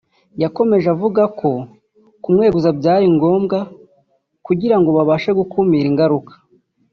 yakomeje avuga ko kumweguza byari ngombwa kugira ngo babashe gukumira ingaruka